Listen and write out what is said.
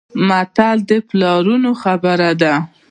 متل د پلرونو خبره ده.